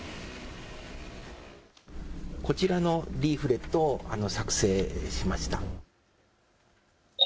こちらのリーフレットを作成しました。